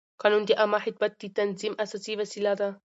قانون د عامه خدمت د تنظیم اساسي وسیله ده.